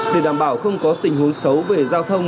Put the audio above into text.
để đảm bảo không có tình huống xấu về giao thông